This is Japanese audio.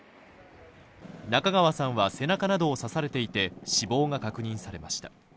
中川さんは、背中などを刺されていて死亡が確認されました。